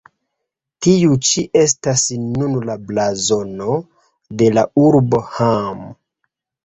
Tiu ĉi estas nun la blazono de la urbo Hamm.